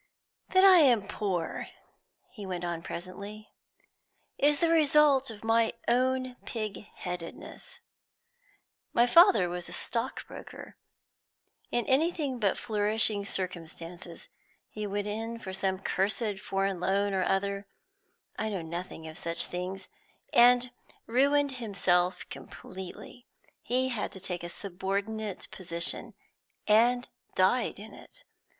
"That I am poor," he went on presently, "is the result of my own pigheadedness. My father was a stock broker, in anything but flourishing circumstances. He went in for some cursed foreign loan or other, I know nothing of such things, and ruined himself completely. He had to take a subordinate position, and died in it.